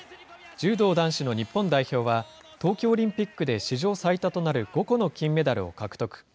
柔道男子の日本代表は、東京オリンピックで史上最多となる５個の金メダルを獲得。